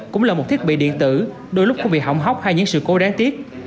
cũng là một thiết bị điện tử đôi lúc cũng bị hỏng hóc hay những sự cố đáng tiếc